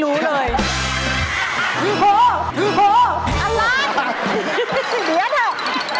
เรียนเหรอ